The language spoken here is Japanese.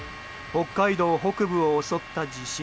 北海道北部を襲った地震。